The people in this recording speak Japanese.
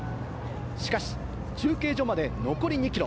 しかし、中継所まで残り２キロ。